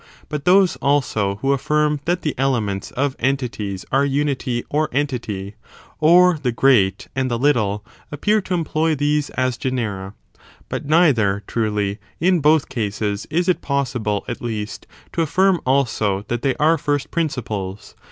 But those, also, who afi&rm that the elements of entities are unity or entity,^ or the great and the little, appear to employ these as genera. But neither, truly, in both cases is it possible, at least, to affirm, also, that they are first principles.